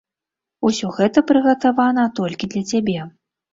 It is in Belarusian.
Усё гэта прыгатавана толькі для цябе.